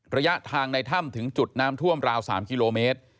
ระยะทางในถ้ำถึงจุดน้ำท่วมราว๓กิโลเมตร